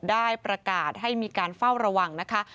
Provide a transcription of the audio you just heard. ได้ประกาศให้มีการเฝ้าระวังนะคะ